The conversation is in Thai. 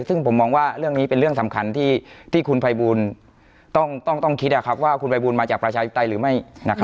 ซึ่งผมมองว่าเรื่องนี้เป็นเรื่องสำคัญที่คุณภัยบูลต้องคิดว่าคุณภัยบูลมาจากประชาธิปไตยหรือไม่